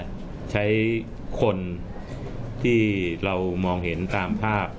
ทรงด้านใช้คนที่เรามองเห็นตามภาพ